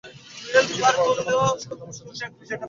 দেখিতে পাওয়া যায়, মানবজাতির সকল ধর্মাচার্যই সম্পূর্ণ স্বার্থশূন্য।